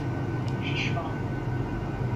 Şişman.